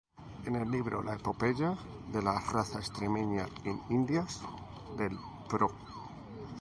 En el libro La epopeya de la raza extremeña en Indias, del pbro.